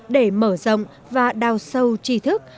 để mở rộng và đào sâu trí thức